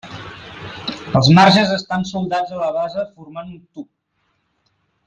Els marges estan soldats a la base formant un tub.